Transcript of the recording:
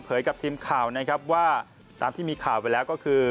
กับทีมข่าวนะครับว่าตามที่มีข่าวไปแล้วก็คือ